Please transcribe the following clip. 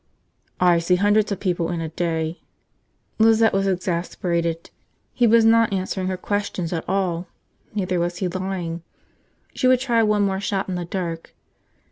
"I see hundreds of people in a day." Lizette was exasperated. He was not answering her questions at all, neither was he lying. She would try one more shot in the dark.